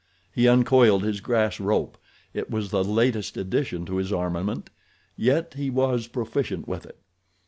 He uncoiled his grass rope—it was the latest addition to his armament, yet he was proficient with it.